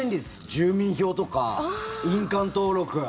住民票とか印鑑登録。